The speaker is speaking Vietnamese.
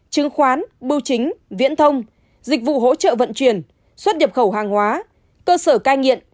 chứng khoán bưu chính viễn thông dịch vụ hỗ trợ vận chuyển xuất nhập khẩu hàng hóa cơ sở cai nghiện